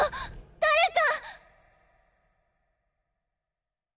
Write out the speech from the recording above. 誰か！